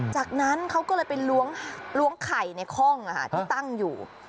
จากนั้นเขาก็เลยไปล้วงไข่ในคล่องที่ตั้งอยู่